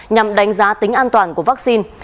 nhằm đánh giá tính an toàn của vaccine